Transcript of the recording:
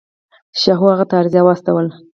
شاهو هغه ته عریضه واستوله.